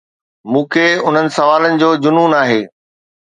مون کي انهن سوالن جو جنون آهي.